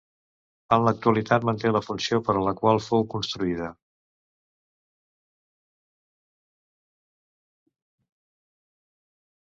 En l'actualitat manté la funció per a la qual fou construïda.